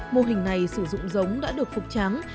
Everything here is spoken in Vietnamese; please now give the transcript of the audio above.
mô hình này sử dụng giống đã được phục tráng